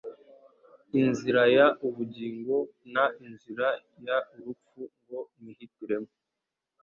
inzira y ubugingo n inzira y urupfu ngo mwihitiremo